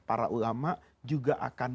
para ulama juga akan